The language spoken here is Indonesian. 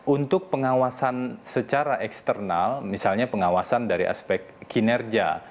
untuk pengawasan secara eksternal misalnya pengawasan dari aspek kinerja